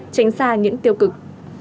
tránh xa những tiêu cực